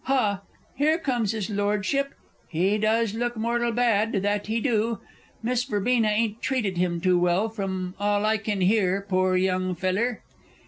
Ha, here comes his Lordship he does look mortal bad, that he do! Miss Verbena ain't treated him too well, from all I can hear, poor young feller!